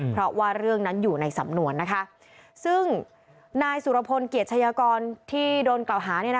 เพราะว่าเรื่องนั้นอยู่ในสำนวนนะคะซึ่งนายสุรพลเกียรติชายกรที่โดนกล่าวหา